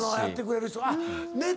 やってくれる人。